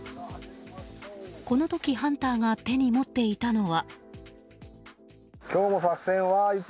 この時ハンターが手に持っていたのは。